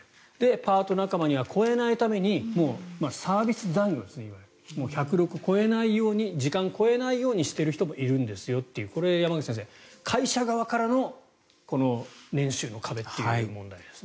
パート仲間には、超えないためにいわゆるサービス残業ですね。１０６を超えないように時間を超えないようにしている人もいるんですよとこれ、山口先生会社側からの年収の壁という問題ですね。